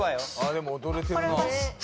でも踊れてるな・